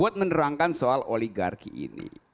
buat menerangkan soal oligarki ini